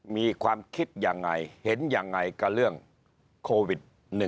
มีความคิดยังไงเห็นยังไงกับเรื่องโควิด๑๙